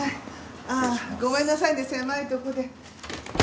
ああごめんなさいね狭いとこで。